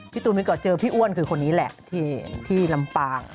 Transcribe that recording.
ตูนก็เจอพี่อ้วนคือคนนี้แหละที่ลำปาง